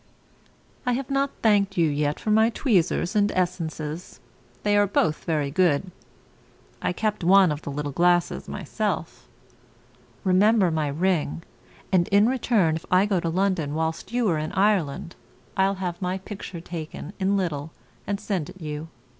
I have not thanked you yet for my tweezers and essences; they are both very good. I kept one of the little glasses myself; remember my ring, and in return, if I go to London whilst you are in Ireland, I'll have my picture taken in little and send it you.